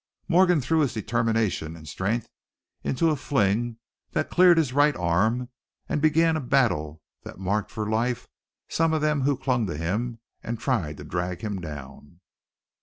Morgan threw his determination and strength into a fling that cleared his right arm, and began a battle that marked for life some of them who clung to him and tried to drag him down.